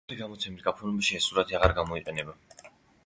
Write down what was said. ახალი გამოცემის გაფორმებაში ეს სურათი აღარ გამოიყენება.